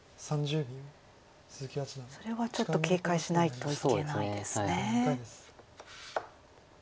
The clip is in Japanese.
それはちょっと警戒しないといけないですね。